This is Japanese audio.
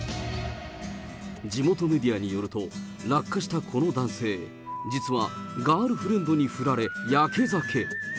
地元メディアによると、落下したこの男性、実はガールフレンドに振られ、やけ酒。